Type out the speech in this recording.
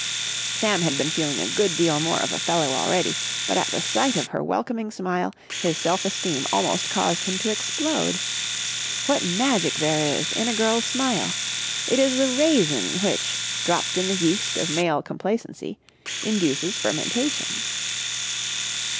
Sam had been feeling a good deal of a fellow already, but at the sight of her welcoming smile his self esteem almost caused him to explode. What magic there is in a girl's smile! It is the raisin which, dropped in the yeast of male complacency, induces fermentation.